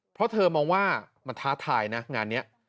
เพราะเธอมองว่ามันท้าทายนะงานนี้